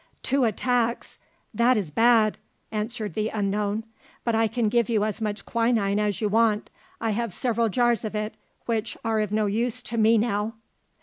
"Two attacks that is bad!" answered the unknown. "But I can give you as much quinine as you want. I have several jars of it which are of no use to me now."